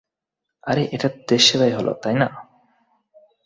আরে, এটাও তো দেশসেবাই হলো, তাই না?